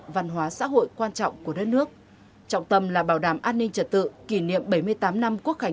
văn hóa xã hội quan trọng của đất nước trọng tâm là bảo đảm an ninh trật tự kỷ niệm bảy mươi tám năm quốc khánh